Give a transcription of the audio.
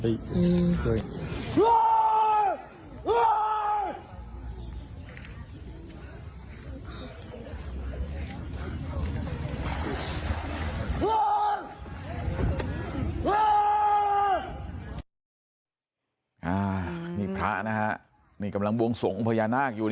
แล้วสุดท้ายก็ขึ้นมาแล้วก็กลับไปที่วาดตามปกตินะครับ